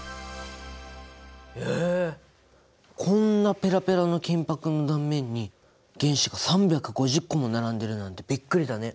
こんなペラペラの金ぱくの断面に原子が３５０個も並んでるなんてびっくりだね。